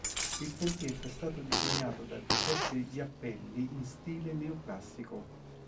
Il tempietto è stato disegnato da Giuseppe Jappelli in stile neoclassico.